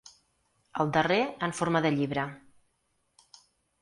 El darrer, en forma de llibre.